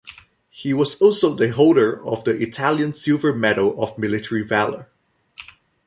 He was also the holder of the Italian Silver Medal of Military Valor.